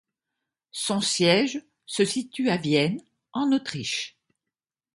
Son siège se situe à Vienne, en Autriche.